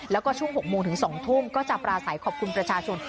แล้วก็ช่วง๖โมงถึง๒ทุ่มก็จะปราศัยขอบคุณประชาชน